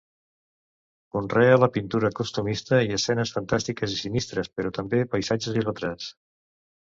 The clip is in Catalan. Conrea la pintura costumista i escenes fantàstiques i sinistres, però també paisatges i retrats.